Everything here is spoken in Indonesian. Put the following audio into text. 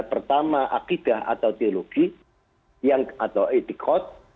pertama akidah atau teologi atau etikot